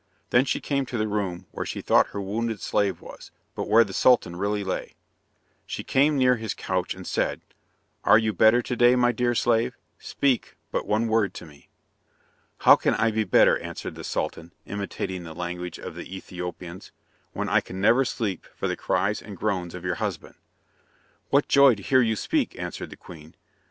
Then she came to the room where she thought her wounded slave was, but where the Sultan really lay. She came near his couch and said, "Are you better to day, my dear slave? Speak but one word to me." "How can I be better," answered the Sultan, imitating the language of the Ethiopians, "when I can never sleep for the cries and groans of your husband?" "What joy to hear you speak!" answered the queen.